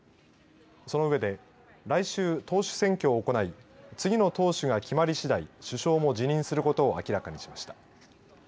その上で来週、党首選挙を行い次の党首が決まりしだい首相も辞任することを明らかにしました。